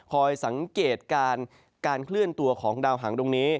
คอยสังเกตการคลื่นตัวของดาวหางดงนี้